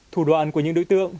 thủ đoạn của những đối tượng